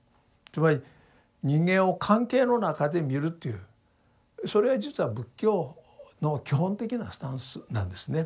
つまり人間を関係の中で見るというそれは実は仏教の基本的なスタンスなんですね。